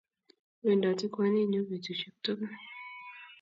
Wendoti kwaninyu petushe tugul